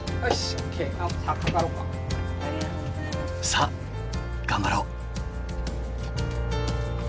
さあ頑張ろう！